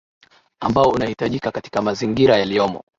ambao unahitajika katika mazingira yaliyomo